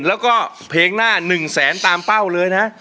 ๘๐๐๐๐แล้วก็เพลงหน้า๑๐๐๐๐๐ตามเป้าเลยนะ